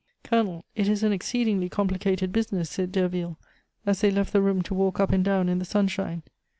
"Colonel, it is an exceedingly complicated business," said Derville as they left the room to walk up and down in the sunshine.